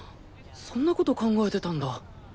そんなこと考えてたんだ。